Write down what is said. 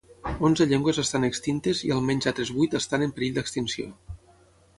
Onze llengües estan extintes i almenys altres vuit estan en perill d'extinció.